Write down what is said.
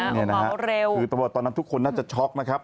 อืมนะโอปอล์เร็วคือตอนนั้นทุกคนน่าจะช็อคนะครับ